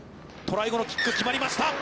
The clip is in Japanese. トライ後のキック、決まりました。